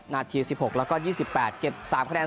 นาทีสิบหกแล้วก็ยี่สิบแปดเก็บสามคะแนน